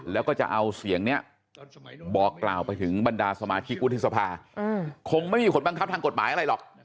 แล้วก็จะเอาเสียงนี้บอกกล่าวไปถึงบรรดาสมาชิกวุฒิสภาคงไม่มีผลบังคับทางกฎหมายอะไรหรอก